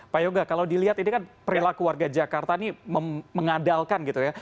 pak yoga kalau dilihat ini kan perilaku warga jakarta ini mengandalkan gitu ya